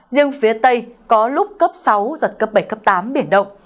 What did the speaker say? riêng phía tây có lúc cấp sáu giật cấp bảy cấp tám biển động